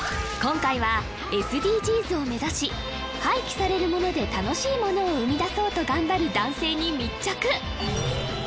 今回はＳＤＧｓを目指し廃棄されるもので楽しいものを生み出そうと頑張る男性に密着！